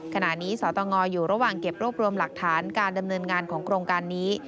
ขณะนี้สตงอยู่ระหว่างเก็บรวบรวมหลักฐานการดำเนินงานของโครงการนี้